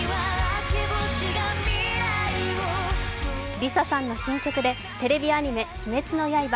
ＬｉＳＡさんの新曲でテレビアニメ「鬼滅の刃」